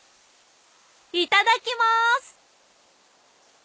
いただきます！